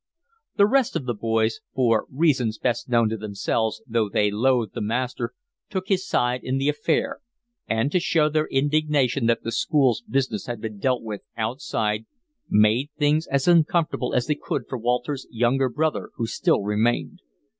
The rest of the boys, for reasons best known to themselves, though they loathed the master, took his side in the affair, and, to show their indignation that the school's business had been dealt with outside, made things as uncomfortable as they could for Walters' younger brother, who still remained.